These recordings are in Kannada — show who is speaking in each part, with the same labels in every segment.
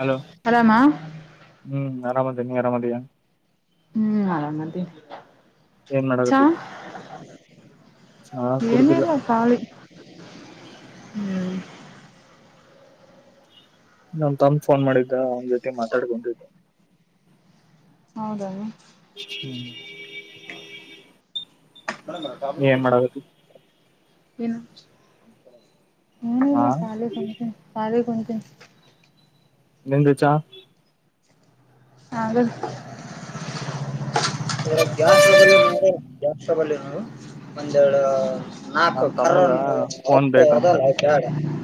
Speaker 1: ಹಲೋ
Speaker 2: ಆರಾಮ
Speaker 1: ಹ್ಮ್ ಆರಾಮ ಅದಿನಿ ನೀ ಆರಾಮ ಅದಿಯ.
Speaker 2: ಹ್ಮ್ ಆರಾಮ ಅದಿನಿ
Speaker 1: ಏನ್
Speaker 2: ಚಾ
Speaker 1: ಮಾಡಾಕತ್ತಿದ್ದಿ ಚಾ ಕುಡುದಿಲ್ಲ
Speaker 2: ಏನಿಲ್ಲ ಕಾಲಿ. ಹ್ಮ್.
Speaker 1: ನಮ್ ತಮ್ ಫೋನ್ ಮಾಡಿದ್ದ ಅವನ್ ಜೊತೆ ಮಾತಾಡಿ ಬಂದೀನಿ.
Speaker 2: ಹೌದನ.
Speaker 1: ಹ್ಮ್.
Speaker 2: [unintelligible]
Speaker 1: ನೀ ಏನ್ ಮಾಡಾಕತ್ತಿ
Speaker 2: ಏನು. [inaudible] ಏನು
Speaker 1: ಹಾ
Speaker 2: ಇಲ್ಲ ಖಾಲಿ ಕುತೀನಿ ಖಾಲಿ ಕುಂತ್. [inaudible]
Speaker 1: ನಿಂದು ಚಾ.
Speaker 2: ಹಾಗ [inaudible] ಮೇಡಂ ಗ್ಯಾಸ್ ಟ್ರಬಲ್ ನೋಡ ಗ್ಯಾಸ್ ಟ್ರಬಲ್ ನೋಡು ಒಂದೆರಡು.
Speaker 1: ನಮ್
Speaker 2: ನಾಲ್ಕು.
Speaker 1: ತಮ್ಮಗ ಫೋನ್ ಬೇಕಂತ
Speaker 2: [unintelligible]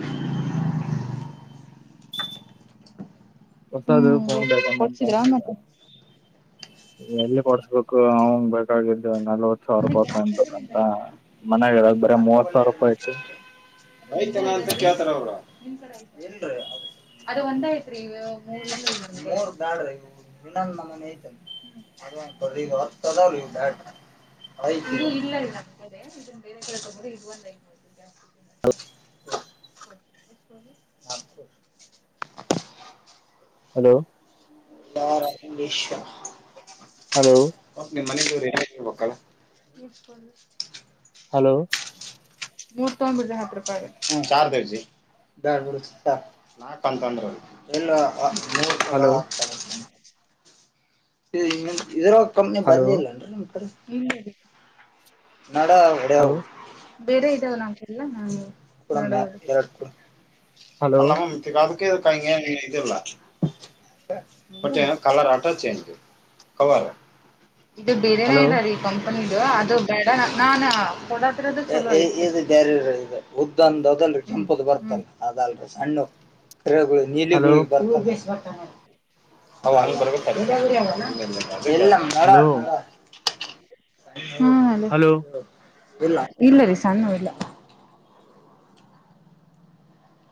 Speaker 1: ಹೊಸದು
Speaker 2: ಹ್ಮ್
Speaker 1: ಫೋನ್
Speaker 2: ಬೇಕ
Speaker 1: ಬೇಕಂತೆ ನಮ್
Speaker 2: ಕೊಡ್ಸಿದ್ರಾ
Speaker 1: ತಮ್ಮ ಗ.
Speaker 2: ಮತ್ತೆ
Speaker 1: ಎಲ್ಲಿ ಕೊಡ್ಸ್ಬೇಕು ಅವನ್ ಬೇಕಾಗಿದ್ದೇ.
Speaker 2: [unintelligible]
Speaker 1: ಮನ್ಯಾಗ ಇರೋದ ಬರೇ ಮೂವತ್ ಸಾವಿರ ರೂಪಾಯಿ ಐತಿ
Speaker 2: ರೈತಲ್ಲ ಅಂತ ಕೇಳ್ತಾರ ಅವ್ರ. ಅದು ಒಂದೇ ಇತ್ರಿ ಮೂರು ಬ್ಯಾಡ್ರಿ ಮನ ಐತ ಈ ಹತ್ತು ಅದಾವ್ರಿ ಬ್ಯಾಡ್ರಿ. ಇದು ಇಲ್ಲ ನಮ ಇದ ಬೇರೆ ಕಡೆ ತಗೋರಿ. [inaudible]
Speaker 1: ಹಲೋ.
Speaker 2: ಯಾರ ನಿಮಿಷ.
Speaker 1: ಹಲೋ
Speaker 2: ಒಟ್ ನಿಮ್ ಮನೆ ದೇವ್ರ್ ರಿ. ಮಕ್ಕಳ. [inaudible]
Speaker 1: ಹಲೋ.
Speaker 2: ನೂರ್ ತೊಂಬಿಡ್ರಿ ಹತ್ತು ರೂಪಾಗ ಹ ಚಾರ್ ದೇವಜಿ ಬ್ಯಾಡ್ ಬಿಡು ನಾಕಂತಂದ್ರಲ ಇಲ್ಲೋ. ನೀ ಹತ. [unintelligible] [inaudible] ಸರಿ ಇದರ. [unintelligible] ಕಂಪನಿ
Speaker 1: ಹಲೋ
Speaker 2: ಬರ್ಲಿಲ್ಲ
Speaker 1: ಹಲೋ
Speaker 2: ಅನ್ರಿ ನಮ್ ಕಡಿಗ್. ಇಲ್ಲ. ನಡ
Speaker 1: ಹಲೋ
Speaker 2: ಹೊಡೆವು. ಬೇರೆ ಇದಾವ ನಮಗೆಲ್ಲ ನ ಎರೆಡ್ ಕೊಡ್.
Speaker 1: ಹಲೋ
Speaker 2: ಅಲ್ಲ ಮತ್ತಗದು. [unintelligible] ಇಲ್ಲ ಬಟ್ ಕಲರ್ ಅಟಾಚ್ಂಜ. [unintelligible] ಕವರ. ಇದು ಬೇರೆನ
Speaker 1: ಹಲೋ
Speaker 2: ಇದ ರೀ ಕಂಪನಿ. ಯೋ ಅದು ಬ್ಯಾಡ ನ್ ನಾನ ಕೊಡತಾರದ್ ಚಲೋ ಅಯ್ತಿ ಎ ಇದ್ ಬ್ಯಾರೆದ್ ಉದ್ದಂದ್ ಅದಲ್ರೀ ಕೆಂಪದು ಬರ್ತಲ್ಲ ಅದಲ್ರೀ ಸಣ್ಣುವ್. ಎಗುಳಿಗ್
Speaker 1: ಹಲೋ
Speaker 2: ನೀಲಿಗುಳಿಗ್ ಬರ್ತಾವ್. ಅವು ಅಂಗ ಬರ್ಬೇಕಲ್. [inaudible] ಎಲ್ಲ ಮಾಡ
Speaker 1: ಹಲೋ
Speaker 2: ಮಾಡ. [unintelligible] ಹ್ಮ ಹಲೋ. ಇಲ್ಲ ರೀ ಸಣ್ಣುವ್ ಇಲ್ಲ.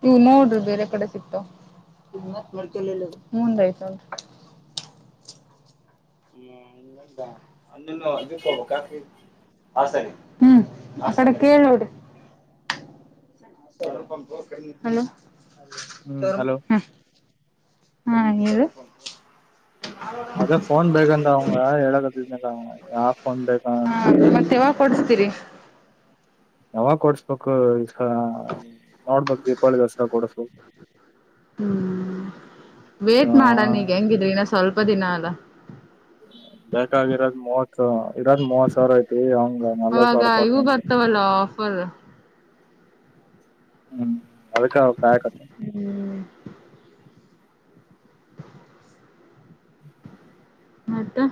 Speaker 2: ನೀವು ನೋಡ್ರಿ ಬೇರೆ ಕಡೆ ಸಿಕ್ತಾವ ಮುಂದಯ್ತ. ಹ್ಮ ಇದ. [unintelligible] ಅನ್ನು ಇ ಕಬ ಕಾಕ್ರ. [unintelligible] ಆ ಸರಿ ಹ್ಮ್ ಆ ಕಡೆ ಕೇಳ್ನೋಡ್ರಿ. ಹಲೋ.
Speaker 1: ಹ್ಮ್ ಹಲೋ.
Speaker 2: ಹಾ ಹೇಳ.
Speaker 1: ಅದ ಫೋನ್ ಬೇಕಂತ ಅವಂಗ ಹೇಳಕ್ಕತ್ತ್ತಿದ್ನಲ ಅವನ ಯಾವ ಫೋನ್ ಬೇಕಾ.
Speaker 2: ಕೊಡಿಸ್ತೀರಿ.
Speaker 1: ಯಾವಾಗ ಕೊಡ್ಸ್ಬೇಕು. ಹ ನೋಡ್ಬೇಕ್ ದೀಪಾವಳಿ ದಸ್ರಾ ಕೊಡಸು.
Speaker 2: ಹ್ಮ್ ವೇಟ್ ಮಾಡಣ ಈಗ ಹೆಂಗಿದ್ರಿನ. ಸ್ವಲ್ಪ ದಿನ ಅಲ.
Speaker 1: ಬೇಕಾಗಿರೋದ್ ಮೂವತ್ ಇರದ್ ಮೂವತ್ ಸಾವಿರ ಐತಿ ಅವಂಗ ನಲ್ವತ್
Speaker 2: ಅವಾಗ
Speaker 1: ಸಾವಿರಪತ
Speaker 2: ಇವು
Speaker 1: ನಿಗೆ.
Speaker 2: ಬರ್ತಾವಲ್ಲ ಆಫರ್
Speaker 1: ಹ್ಮ್ ಅದಕ ಅವ ಕಾಯಕ.
Speaker 2: ಹ್ಮ್.
Speaker 1: [inaudible]
Speaker 2: ಮತ್ತ.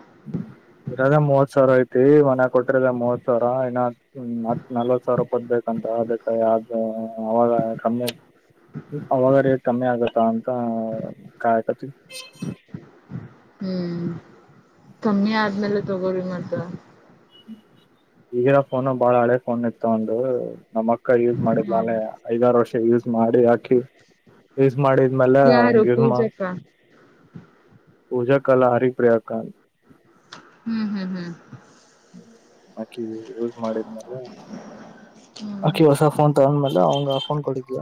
Speaker 1: ಇರದ ಮೂವತ್ ಸಾವಿರ ಐತಿ ಮನ್ ಕೊಟ್ಟಿರದ ಮೂವತ್ ಸಾವಿರ ಇನ್ನ ಹತ್ ನಲ್ವತ್ ಸಾವಿರ ಪದಬೇಕಂತ ಅದಕ್ಕೆ ಯ ಅವಾಗ ಕಮ್ಮಿ ಅವಾಗ ರೇಟ್ ಕಮ್ಮಿ ಆಗತ್ತ ಅಂತ ಕಾಯಕತಿ.
Speaker 2: ಹ್ಮ್. ಕಮ್ಮಿ ಆದ್ಮೇಲೆ. ತಗೋಿ ಮಾಡ್ತ.
Speaker 1: ಈಗಿನ ಫೋನ್ ಬಾಳ ಹಳೆ ಫೋನ್ ಇತ್ತು ಒಂದು. ನಮ್ಮ ಅಕ್ಕ ಯೂಸ್
Speaker 2: ಹ್ಮ್
Speaker 1: ಮಾಡಿದ್ಾನೆ ಐದಾರು ವರ್ಷ ಯೂಸ್ ಮಾಡಿ ಆಕಿ ಯೂಸ್ ಮಾಡಿದ್ಮೇಲೆ
Speaker 2: ಯಾರು
Speaker 1: ಅವಂಗ ಯೂಸ್ ಮಾ.
Speaker 2: ಪೂಜಕ್ಕ
Speaker 1: ಪೂಜಾಕ್ಕ ಅಲ್ಲ ಹರಿಪ್ರಿಯಾಕ್ಕ.
Speaker 2: ಹ್ಮ್ ಹ್ಮ್ ಹ್ಮ್.
Speaker 1: ಬಾಕಿ. ಯೂಸ್ ಮಾಡಿದ್ಮೇಲೆ
Speaker 2: ಹ್ಮ್ ಹ್ಮ್
Speaker 1: ಆಕಿ ಹೊಸ ಫೋನ್ ತಗಂದ್ಮೇಲೆ ಅವಂಗ ಆ ಫೋನ್ ಕೊಡಿದ್ಲ.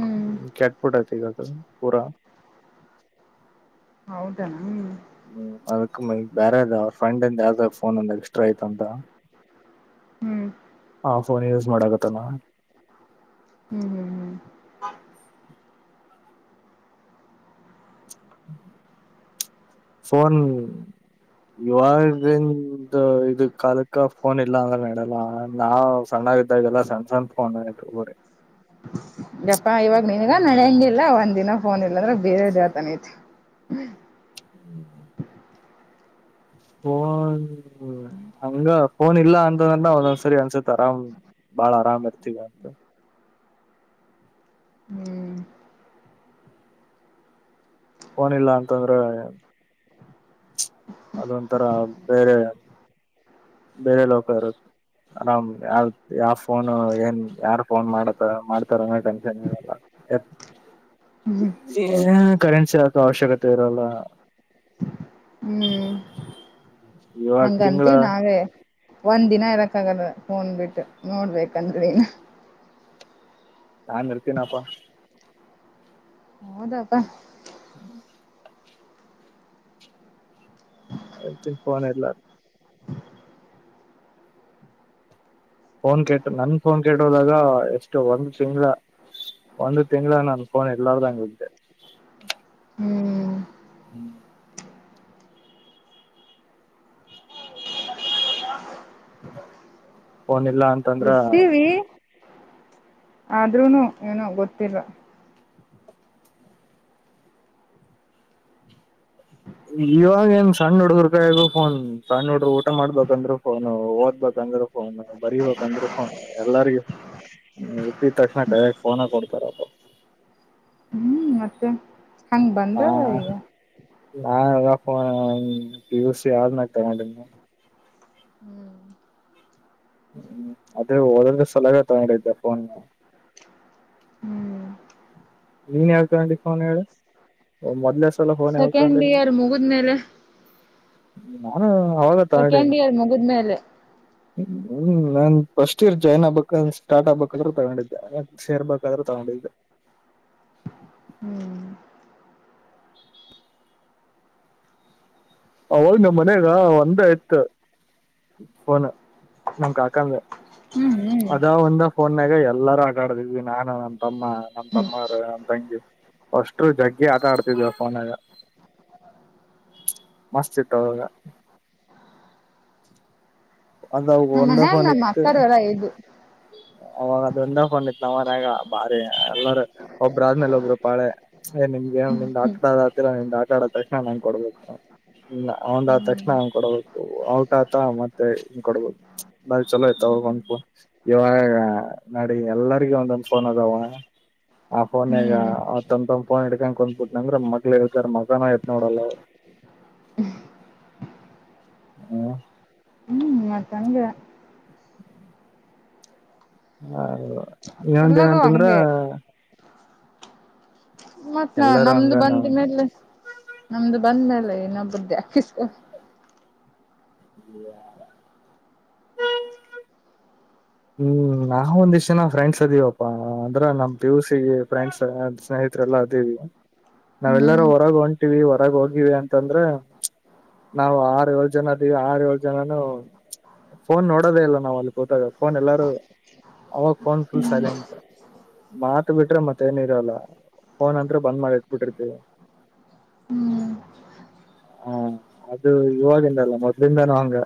Speaker 2: ಹ್ಮ್
Speaker 1: ್ಮ ಕ್ಯಟ್ಪುಟತಿಗ. ಪೂರ.
Speaker 2: ಹೌದಣ ಹ್ಮ್.
Speaker 1: ಹ್ಮ್ ಅದಕ್ ಬ್ಯಾರೆದ ಅವ್ರ ಫ್ರೆಂಡ್ಂದ ಯಾವ್ದ ಫೋನ್ ಒಂದ ಎಕ್ಸ್ಟ್ರಾ ಐತ ಅಂತ.
Speaker 2: ಹ್ಮ್
Speaker 1: ಹೌ. ಫೋನ್ ಯೂಸ್ ಮಾಡಾಗತ್ತ ನ.
Speaker 2: ಹ್ಮ್ ಹ್ಮ್ ಹ್ಮ್.
Speaker 1: ಫೋನ್ ಇವಾಗ ಇದ ಕಾಲಕ್ಕ ಫೋನ್ ಇಲ್ಲ ಅಂದ್ರ ಮಾಡಲ್ಲ ನಾವ್ ಸಣ್ಣಾಗಿದ್ದಾಗೆಲ್ಲ ಸ್ಯಾಮ್ಸಂಗ್ ಫೋನ್ರಿ.
Speaker 2: [unintelligible] ಯಪ್ಪಾ ಇವಾಗ ನಿನ್ಗ ನಡ್ಯಂಗಿಲ್ಲ ಒಂದ್ ದಿನ ಫೋನ್ ಇಲ್ಲಂದ್ರೆ ಬೇರೆ ದೇವತಾನ ಐತೆ. ಹ್ಮ.
Speaker 1: ಫೊನ್ ಹಂಗ ಫೋನ್ ಇಲ್ಲ ಅಂತ. ದ ನ ಒಂದೊನ್ದ್ ಸರಿ ಅನ್ಸತ್ ತರಾಮ್. ಬಾಳ ಆರಾಮರಿ. ಗತ.
Speaker 2: ಹ್ಮ್.
Speaker 1: ಫೋನಿಲ್ಲ ಅಂತಂದ್ರೆ. ಅದೊಂಥರ ಬೇರೆ ಬೇರೆ ಲೋಕ ಇರುತ್ತೆ ಆರಾಮ್ ಯಾವ ಯಾವ. ಫೋನು ಏನ್ ಯಾರು ಫೋನ್ ಮಾಡ. ಮಾಡ್ತಿನಿ. ಟನ್ನ್ ಇರಲ್ಲ
Speaker 2: ಹ್ಮ್
Speaker 1: ಕರೆನ್ಸಿ ಆಕ ಅವಶ್ಯಕತೆ ಇರಲ್ಲ.
Speaker 2: ಹ್ಮ್
Speaker 1: ಇವಾಗ್ ತಿಂಗ್ಲ.
Speaker 2: ಹಂಗಂತೀವಿ ನಾವೇ ಒಂದ್ ದಿನ ಇರಕ್ ಆಗಲ್ಲ ಫೋನ್ ಬಿಟ್ಟು ನೋಡ್ಬೇಕಂದ್ರನ್.
Speaker 1: ನಾನ್ ಇರ್ತೀನಪ್ಪ.
Speaker 2: ಹೌದಪ್ಪಾ.
Speaker 1: [inaudible] ಅತ ಫೊನ್ ಇಲ್ಲ. ಫೋನ್ ಕೆಟ್ಟ ನನ್ ಫೋನ್ ಕೆಟ್ಟೋದಾಗ ಎಷ್ಟು ಒಂದು ತಿಂಗ್ಳ ಒಂದು ತಿಂಗ್ಳ ನನ್ ಫೋನ್ ಇಲ್ಲಾರ್ದಂಗಿದ್ದೆ.
Speaker 2: ಹ್ಮ್.
Speaker 1: ಹ್ಮ್. ಫೋನ್ ಇಲ್ಲಾ.
Speaker 2: ಇರ್ತೀವಿ. ಆದ್ರೂನು ಏನೊ ಗೊತ್ತಿಲ್ಲ.
Speaker 1: ಇವಾಗೇಏನ್ ಸಣ್ಣ ಹುಡುಗರು ಕಾಯಾಗು ಫೋನ್ ಸಣ್ಣ ಹುಡ್ಗುರ್ ಊಟ ಮಾಡ್ಬೇಕಂದ್ರರು ಫೋನು ಓದ್ಬೇಕಂದ್ರು ಫೋನ್ ಬರೀಬೇಕಂದ್ರರು ಫೋನ್ ಎಲ್ಲರಿಗೂ ಇದ್ದಿದ್ ತಕ್ಷಣ ಡೈರೆಕ್ಟ್ ಫೋನ ಕೊಡ್ತಾರಪ್ಪ.
Speaker 2: ಹ್ಮ್ ಮತ್ತೆ. ಹಂಗ್ ಬಂದದ ಈಗ.
Speaker 1: ಹ ಪೀ ಯೂ ಸೀ ಯಾವ್ದನೇಗ್ ತಗೊಂಡಿದ್ನ. ಹ್ಮ್ ಅದೇ ಓದರ್ದ್ ಸೊಲೆಗ ತಗೊಂಡಿದ್ದೆ ಫೋನ್.
Speaker 2: ಹ್ಮ್
Speaker 1: ನೀನ್ ಯಾವಗ್ ತೊಂಡಿ ಫೋನ್ ಹೇಳ ಒ ಮೊದ್ಲ.
Speaker 2: ಸೆಕೆಂಡ್ ಇಯರ್ ಮುಗುದ್ಮೇಲೆ.
Speaker 1: ನಾನು.
Speaker 2: ಸೆಕೆಂಡಿಯರ್ ಮುಗಿದ್ಮೇಲೆ.
Speaker 1: ಹ್ಮ ಹ್ಮ್ ನಾನ್ ಫಸ್ಟ್ ಇಯರ್ ಜಾಯಿನ್ ಆಗ್ಬೇಕಾದ್ರ ಸ್ಟಾರ್ಟ್ ಆಗ್ಬೇಕಾದ್ರೂ ತಗೊಂಡಿದ್ದೆ ಸೇರ್ಬೇಕಾದ್ರೂ ತಗೊಂಡಿದ್ದೆ.
Speaker 2: ಹ್ಮ್.
Speaker 1: ಅವಾಗ್ ನಮ್ಮನೇಗಾ ಒಂದ ಇತ್ತ. ಫೋನ್ ನಮ್ ಕಾಕಂದ
Speaker 2: ಹ್ಮ್
Speaker 1: ಅದ ಒಂದ ಫೋನ್ನೆಗಾ ಯ. ಎಲ್ಲರೂ ಆಟಾಡ್ತಿದ್ವಿ ನಾನ. ತಮ್ಮ ನಮ್ಮ
Speaker 2: ಹ್ಮ್
Speaker 1: ತಮ್ಮರು ನಮ್ ತಂಗಿ ಅಷ್ಟರು ಜಗ್ಗಿ ಆಟ ಆಡ್ತಿದ್ವಿ ಫೋನ್ನಾಗ. ಮಸ್ ಇತ್ತ್ ಅವಾಗ. ಅದ
Speaker 2: ನಮ್ಮ
Speaker 1: ಒಂದ
Speaker 2: ಮನ್ಯಾಗ್
Speaker 1: ಫೋನ್
Speaker 2: ನಮ್ಮ
Speaker 1: ಇತ್ತು
Speaker 2: ಅಕ್ಕಾರರ ಐದು.
Speaker 1: ಅವಾಗ ಅದೊಂದ ಫೋನ್ ಇತ್ ನ ಮನ್ಯಾಗ ಬಾರಿ ಎಲ್ಲರ ಒಬ್ಬ್ರ ಆದ್ಮೇಲೆ ಒಬ್ರು ಪಾಳೆ ಏ ನಿಮ್ಗೆನ್ ನಿಮ್ದ್ ಆಟಡದ ಆತಿರ ನಿಮ್ದು ಆಟ ಆಡ ತಕ್ಷಣ ನಂಗ್ ಕೊಡ್ಬೇಕು ಔಂಡ್ ಆದ ತಕ್ಷಣ
Speaker 2: ಹ್ಮ್
Speaker 1: ನಂಗ ಕೊಡ್ಬೇಕು ಔಟ್ ಆತ ಮತ್ತೆ ಇನ್ ಕೊಡ್ಬೇಕು ಬಾರಿ ಚಲೋ ಇತ್ತ ಅವಾಗ್ ಒಂದ್ ಫೋನ್. ಇವಾಗಾ ನಡಿ ಎಲ್ಲರಿಗು ಒಂದೊಂದ್ ಫೋನ್ ಅದಾವ ಆ ಫೋನ್ನೇಗಾ
Speaker 2: ಹ್ಮ್
Speaker 1: ಆತಂದೊಂದ್ ಫೋನ್ ಹಿಡ್ಕೊಂಡ್ ಕುಂದ್ಬಿಟ್ ನಂದ್ರ ಮಕ್ಳ ಇರ್ತಾರ ಮಗನು ಎತ್ ನೋಡಲ್ಲ. ಹ.
Speaker 2: ತಂಗೆ.
Speaker 1: ಹಾ. [unintelligible]
Speaker 2: ಎಲ್ಲರೂ
Speaker 1: ಇನೊಂದಿನಂತಂದ್ರಾ.
Speaker 2: ಹಂಗೆ ಮತ್
Speaker 1: ಎಲ್ಲಾರೂ
Speaker 2: ನ-ನಮ್ದು
Speaker 1: ಹಂಗನ
Speaker 2: ಬಂದ ಮೇಲೆ ನಮ್ದು. ಬಂದ್ಮೇಲೆ ಇನ್ನೊಬ್ಬುರ್ದೆ ಹಾಕಿಸ್ಕೊ.
Speaker 1: [unintelligible] [inaudible] ಹ್ಮ್ ನಾವೊಂದಿಷ್ಟ್ಜನ ಫ್ರೆಂಡ್ಸ್ ಅದೀವಪ್ಪಾ ಅಂದ್ರ ನಮ್ ಪಿ ಯು ಸಿ ಗೆ ಫ್ರೆಂಡ್ಸ ಸ್ನೇಹಿತ್ರೆಲ್ಲಾ ಅದೀವಿ ನಾವೆಲ್ಲಾರು
Speaker 2: ಹ್ಮ್
Speaker 1: ಹೊರಗ್ ಹೊಂಟಿವಿ ಹೊರಗ ಹೋಗಿವಿ ಅಂತಂದ್ರ ನಾವು ಆರ್ ಏಳ ಜನ ಅದೀವಿ ಆರ್ ಏಳ ಜನನು ಫೋನ್ ನೋಡೋದೇ ಇಲ್ಲ ನಾವ್ ಅಲ್ಲಿ ಕೂತಾಗ. ಫೋನ್ ಎಲ್ಲಾರೂ ಅವಾಗ ಫೋನ್ ಫುಲ್ ಸೈಲೆಂಟ್ ಮಾತ್ ಬಿಟ್ರೆ ಮತ್ತ ಏನ್ ಇರಲ್ಲ ಫೋನ್ ಅಂದ್ರೆ ಬಂದ್ ಮಾಡಿ ಇಟ್ಬಿಟ್ಟಿರ್ತೀವಿ.
Speaker 2: ಹ್ಮ್
Speaker 1: ಹಾ ಅದು ಇವಾಗಿಂದಲ್ಲ ಮೊದ್ಲಿಂದಾನೂ ಹಂಗ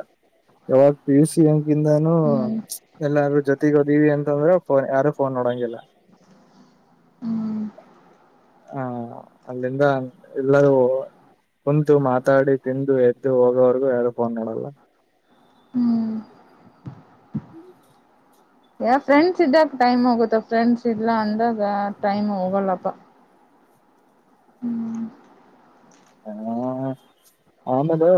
Speaker 1: ಯವಾಗ್ ಪಿ ಯು ಸಿ ಎಂಗಿಂದಾನೂ
Speaker 2: ಹ್ಮ್
Speaker 1: ಎಲ್ಲಾರೂ ಜೊತೀಗ್ ಹೋದೀವ್ ಅಂತಂದ್ರೆ ಫೋನ್ ಯಾರು ಫೋನ್ ನೋಡಂಗಿಲ್ಲ.
Speaker 2: ಹ್ಮ್
Speaker 1: ಹಾ ಅಲ್ಲಿಂದ ಎಲ್ಲರೂ ಕುಂತು ಮಾತಾಡಿ ತಿಂದು ಎದ್ದು ಹೋಗೋವರ್ಗೂ ಯಾರು ಫೋನ್ ನೋಡಲ್ಲ.
Speaker 2: ಹ್ಮ್ ಯ ಫ್ರೆಂಡ್ಸ್ ಇದ್ದಾಗ ಟೈಮ್ ಹೋಗುತ್ತ ಫ್ರೆಂಡ್ಸ್ ಇಲ್ಲ ಅಂದಾಗ ಟೈಮ್ ಹೋಗಲ್ಲಪ್ಪ. ಹ್ಮ್
Speaker 1: ಹ ಆಮೇಲೆ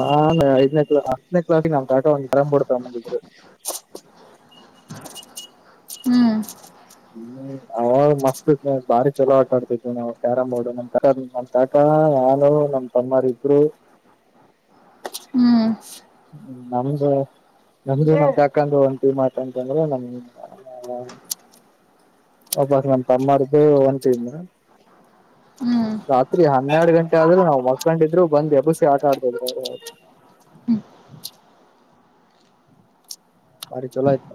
Speaker 1: ನಾನೇ ಐದನೇ ಕ್ಲಾ ಹತ್ತನೇ ಕ್ಲಾಸಿಗ್ ನಾಮ್ ತಾತ ಒಂದ್ ಡ್ರಮ್ ಬೋರ್ಡ್ ತೊಬಂದಿದ್ರು.
Speaker 2: ಹ್ಮ್
Speaker 1: ಹ್ಮ್ ಅವಾಗ ಮಸ್ತ್ ಭಾರಿ ಚಲೋ ಆಟ ಆಡ್ತಿದ್ವಿ ನಾವು ಕ್ಯಾರಂ ಬೋರ್ಡ್ ನಮ್ ತಕ ನಮ್ ತಾತ ನಾನು ನಮ ತಮ್ಮರ್ ಇಬ್ರು.
Speaker 2: ಹ್ಮ್
Speaker 1: ನಮ್ದು ನಮ್ದು ನಾವ್ ತ್ಯಾಕಂದು ಒಂ ಟೀಮ್ ಆಟ ಅಂತದ್ರೆ ನಮ್. [unintelligible] ನನ್ ತಮ್ಮಾರ್ದು ಒಂದಂತಿನ
Speaker 2: ಹ್ಮ್
Speaker 1: ರಾತ್ರಿ ಹನ್ನೆರಡು ಗಂಟೆ ಆದ್ರೂ ನಾವು ಮಕ್ಕೊಂಡಿದ್ರು ಬಂದ ಎಬುರ್ಸಿ ಆಟ ಆಡ್ಸತಿದ್ರು. ಬಾರಿ ಚೊಲೋ ಆಯ್ತ.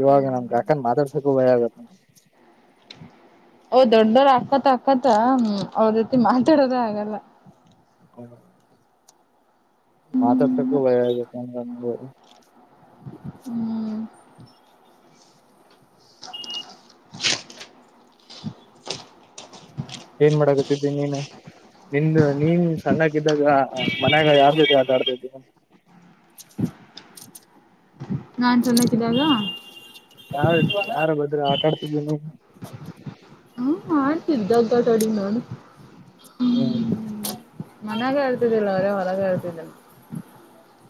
Speaker 1: ಇವಾಗ ನಮ್ಗೆ ಕಾಕಾ ನಾ ಮಾತಾಡ್ಸಕು ಭಯ ಆಗತ್.
Speaker 2: ಓ ದೊಡ್ಡವ್ರ ಅಕ್ಕತ ಅಕ್ಕತ ಹ್ಮ ಅವ್ರ ಜೊತೆ ಮಾತಾಡೋದ ಆಗಲ್ಲ.
Speaker 1: ಹ್ಮ. ಮಾತಾಡ್ಸಕ್ಕೂ ಭಯ.
Speaker 2: ಹ್ಮ್
Speaker 1: [unintelligible] ಏನ್ ಮಾಡಾಗತ್ತಿದ್ದೀ ನೀನ್ ನಿನ್ ನೀನ್ ಸಣ್ಣಾಗಿದ್ದಾಗ ಮನ್ಯಾಗ ಯಾರ್ ಜೊತೆ ಆಟ ಆಡ್ತಿದ್ದೆ.
Speaker 2: ನಾನ್ ಸಣ್ಣಕಿ ಇದ್ದಿದಾಗ.
Speaker 1: ಯಾರ ಯಾರ ಬದ್ರ ಆಟಡ್ತಿದ್ದೆ ನೀನ್.
Speaker 2: ಆಡ್ತಿದ್ದೆ ಗಟಾಡಿ ನಾನು.
Speaker 1: ಹ್ಮ್.
Speaker 2: ಮನ್ಯಾಗ ಹೇಳ್ತಿದ್ದಿಲ್ಲ ಬರೆ ಹೊರಗ ಹೇಳ್ತಿದ್ದನ.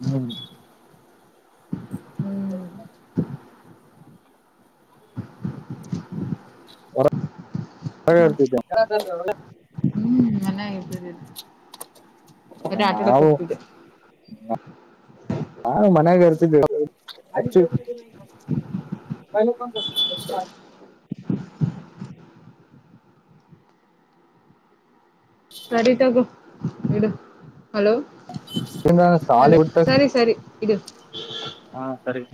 Speaker 1: ಹ್ಮ್.
Speaker 2: ಹ್ಮ್
Speaker 1: ಹಾಗ ಇರ್ತಿದ್ದೆ. ಹ.
Speaker 2: ಮನೆಗ್ ಇದಿದ್ದಿಲ್ಲ.
Speaker 1: ನಾವು
Speaker 2: ಹೋಗ್ತಿದ್ದೆ
Speaker 1: [inaudible] ನ. ಹಾ ಮನೆಗೆ ಇರ್ತಿದ್ದೆ [unintelligible] ಎಷ್ಟು.
Speaker 2: ಸರಿ ತಗೋ. ಇಡು. ಹಲೋ
Speaker 1: ಸಾಲಿ
Speaker 2: ಹಲೋ
Speaker 1: ಬಿಟ್ಟ
Speaker 2: ಸರಿ ಸರಿ. ಇದು. [unintelligible]
Speaker 1: ಹಾ ಸರಿ.